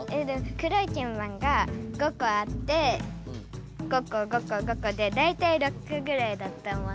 黒いけんばんが５こあって５こ５こ５こでだいたい６ぐらいだと思う。